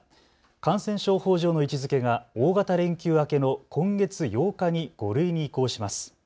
感染症法上の位置づけが大型連休明けの今月８日に５類に移行します。